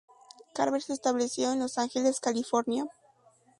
Carver se estableció en Los Ángeles, California.